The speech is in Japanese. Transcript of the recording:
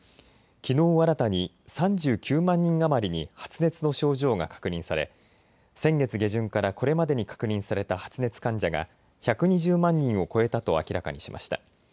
きのう新たに３９万人余りに発熱の症状が確認され、先月下旬からこれまでに確認された発熱患者が１２０万人を超えたと明らかにしました。